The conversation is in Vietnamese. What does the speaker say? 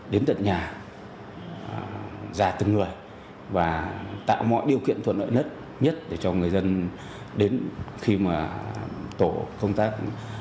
đến tận nhà ra từng người và tạo mọi điều kiện thuận lợi nhất nhất để cho người dân đến khi mà tổ công tác